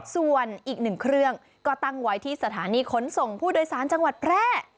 ส่วนอีกหนึ่งเครื่องก็ตั้งไว้ที่สถานีขนส่งผู้โดยสารจังหวัดแพร่